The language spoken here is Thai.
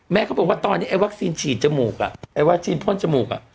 เขาบอกว่าตอนนี้ไอ้วัคซีนฉีดจมูกอ่ะไอ้วัคซีนพ่นจมูกอ่ะ